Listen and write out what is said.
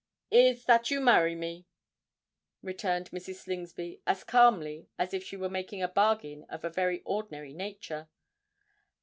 "Is that you marry me," returned Mrs. Slingsby, as calmly as if she were making a bargain of a very ordinary nature.